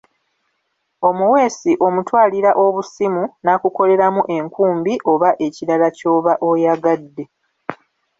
Omuweesi omutwalira obusimu, n'akukoleramu enkumbi oba ekirala ky'oba oyagadde.